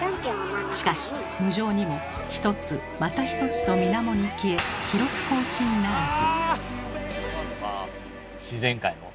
しかし無情にも一つまた一つとみなもに消え記録更新ならず。